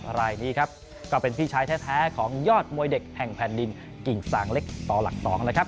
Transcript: รายนี้ครับก็เป็นพี่ชายแท้ของยอดมวยเด็กแห่งแผ่นดินกิ่งสางเล็กต่อหลัก๒นะครับ